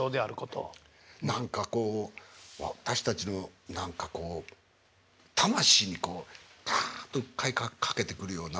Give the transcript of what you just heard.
何かこう私たちの何かこう魂にこうだっと訴えかけてくるような